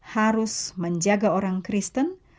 harus menjaga orang kristen